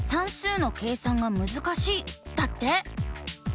だって。